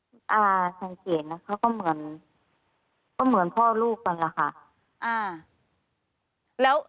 คุณอาสังเกตนะเขาก็เหมือนก็เหมือนพ่อลูกกันแหละค่ะ